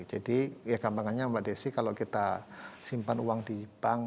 jadi ya gampangnya mbak desi kalau kita simpan uang di bank